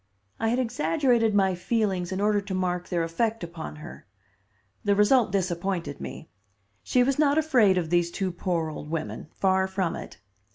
I had exaggerated my feelings in order to mark their effect upon her. The result disappointed me; she was not afraid of these two poor old women. Far from it.